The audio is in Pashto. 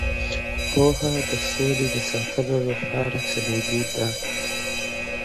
پوهه د سولې د ساتلو لپاره کلیدي ده.